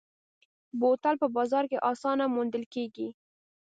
بوتل په بازار کې اسانه موندل کېږي.